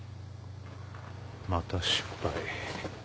また失敗。